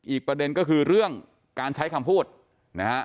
อีกประเด็นก็คือเรื่องการใช้คำพูดนะฮะ